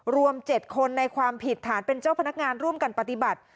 รวม๗คนในความผิดฐานเป็นเจ้าพนักงานร่วมกันปฏิบัติ